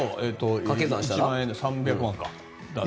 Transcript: １万円で３００万か。